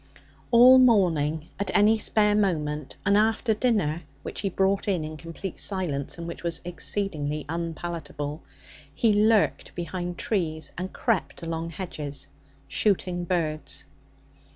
All morning, at any spare moment, and after dinner (which he brought in in complete silence, and which was exceedingly unpalatable), he lurked behind trees and crept along hedges, shooting birds.